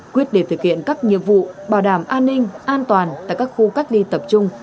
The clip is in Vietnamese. quyết để thực hiện các nhiệm vụ bảo đảm an ninh an toàn tại các khu cách ly tập trung